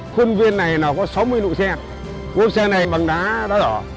khuôn viên này có sáu mươi nụ xe gốp xe này bằng đá đá đỏ